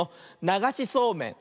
ながしそうめん！